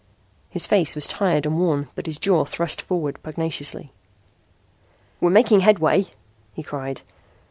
His face was tired and worn but his jaw thrust forward pugnaciously. "We're making headway," he cried.